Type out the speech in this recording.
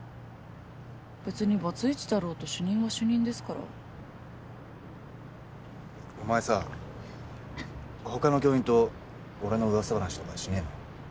別にバツイチだろうと主任は主任ですからお前さ他の教員と俺の噂話とかしねえの？